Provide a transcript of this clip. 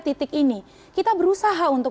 titik ini kita berusaha untuk